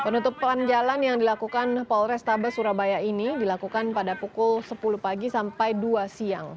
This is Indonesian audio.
penutupan jalan yang dilakukan polrestabes surabaya ini dilakukan pada pukul sepuluh pagi sampai dua siang